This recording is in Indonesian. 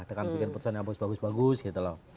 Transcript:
dengan bikin pesan yang bagus bagus gitu loh